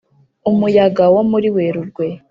umuyaga wo muri werurwe